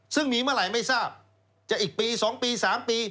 ซึ่งมีเมื่อไหร่ไม่ทราบจะอีกปี๒ปี๓ปี